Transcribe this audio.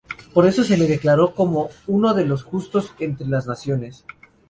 Por eso se le declaró como uno de los Justos entre las Naciones.